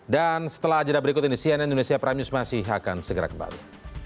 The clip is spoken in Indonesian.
dan setelah ajadah berikut ini cnn indonesia prime news masih akan segera kembali